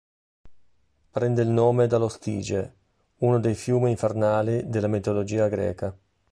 Prende il nome dallo Stige, uno dei fiumi infernali della mitologia greca.